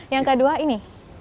yang kedua ini